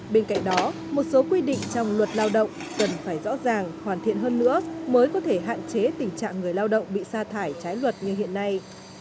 bên cạnh đó một số quy định trong luật lao động cần phải rõ ràng hoàn thiện hơn nữa mới có thể hạn chế tình trạng người lao động bị xa thải trái luật như hiện nay